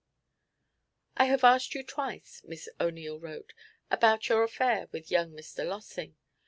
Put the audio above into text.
'I have asked you twice,' Miss O'Neil wrote, 'about your affair with young Mr. Lossing.